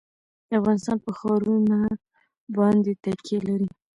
افغانستان په ښارونه باندې تکیه لري.